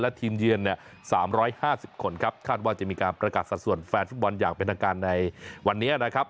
และทีมเยือนเนี่ย๓๕๐คนครับคาดว่าจะมีการประกาศสัดส่วนแฟนฟุตบอลอย่างเป็นทางการในวันนี้นะครับ